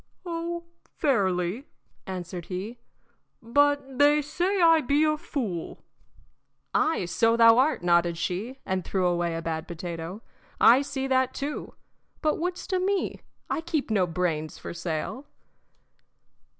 "Oh, fairly," answered he. "But they say I be a fool." "Ay, so thou art," nodded she, and threw away a bad potato. "I see that too. But wouldst o' me? I keep no brains for sale."